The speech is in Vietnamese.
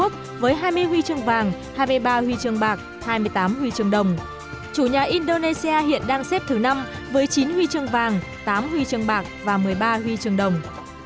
chủ nhà indonesia hiện đang xếp thứ năm với chín huy chương vàng tám huy chương bạc và một mươi ba huy chương đồng